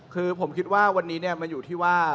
คือผมคิดว่าวันนี้มันอยู่ที่ว่า